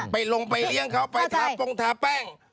ลงไปเลี้ยงเขาไปทาปงทาแป้ง